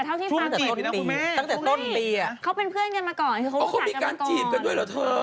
ตั้งแต่ต้นปีอ่ะเขาเป็นเพื่อนกันมาก่อนคือเขารู้จักกันมาก่อนอ๋อเขามีการจีบกันด้วยเหรอเธอ